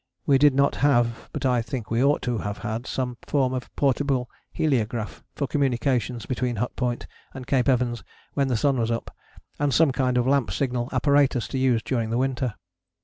We did not have, but I think we ought to have had some form of portable heliograph for communications between Hut Point and Cape Evans when the sun was up and some kind of lamp signal apparatus to use during the winter.